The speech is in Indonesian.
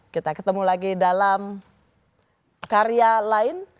kita ketemu lagi dalam karya lain